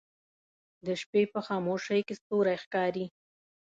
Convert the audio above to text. د شپې په خاموشۍ کې ستوری ښکاري